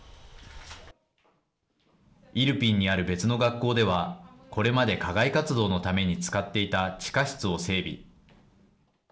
イルピンにある別の学校ではこれまで課外活動のために使っていた地下室を整備。